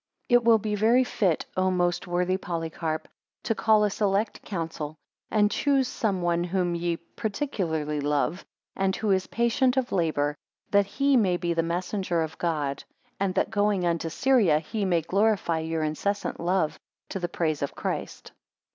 2 It will be very fit, O most worthy Polycarp, to call a select council, and choose some one whom ye particularly love, and who is patient of labour: that he may be the messenger of God; and that going unto Syria, he may glorify your incessant love, to the praise of Christ.